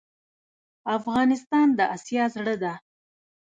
افغانستان د اسیا زړه ده